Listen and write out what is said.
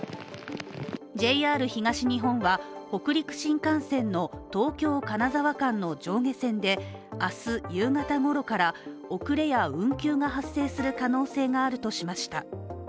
ＪＲ東日本は北陸新幹線の東京ー金沢間の上下線で明日夕方ごろから遅れや運休が発生する可能性があるとしました。